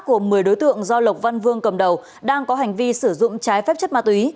của một mươi đối tượng do lộc văn vương cầm đầu đang có hành vi sử dụng trái phép chất ma túy